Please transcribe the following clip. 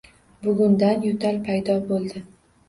Bugundan yo'tal paydo bo'ldi.